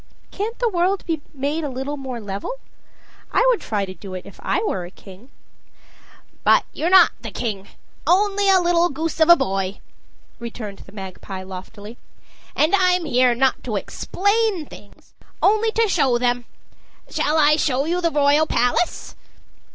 "Can't the world be made a little more level? I would try to do it if I were a king." "But you're not the king: only a little goose of a boy," returned the magpie loftily. "And I'm here not to explain things, only to show them. Shall I show you the royal palace?"